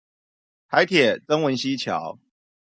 臺鐵曾文溪橋